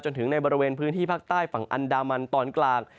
ถึงในบริเวณพื้นที่ภาคใต้ฝั่งอันดามันตอนกลาง